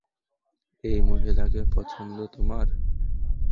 এই মহিলাকে পছন্দ তোমার?